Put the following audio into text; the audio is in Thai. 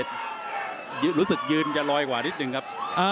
รู้สึกยืนจะลอยกว่านิดนึงครับ